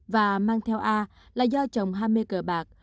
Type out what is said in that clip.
và mang theo a là do chồng hai mươi cờ bạc